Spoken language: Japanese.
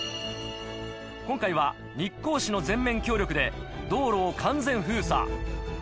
今回は日光市の全面協力で道路を完全封鎖。